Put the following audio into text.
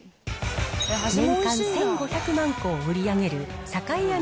年間１５００万個を売り上げる栄屋